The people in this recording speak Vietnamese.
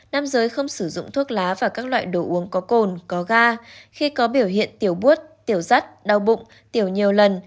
nam giới không sử dụng thuốc lá và các loại đồ uống có cồn có ga khi có biểu hiện tiểu but tiểu dắt đau bụng tiểu nhiều lần